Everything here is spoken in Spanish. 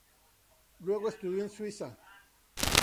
Luego estudió en Suiza.